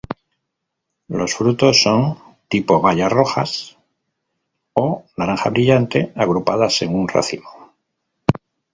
Los frutos son tipo baya rojas o naranja brillante, agrupadas en un racimo.